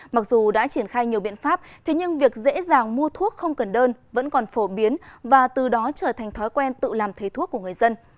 mặc dù đã triển khai nhiều biện pháp thế nhưng việc dễ dàng mua thuốc không cần đơn vẫn còn phổ biến và từ đó trở thành thói quen tự làm thầy thuốc của người dân